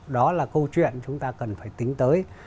đó là câu chuyện chúng ta cần phải tính tới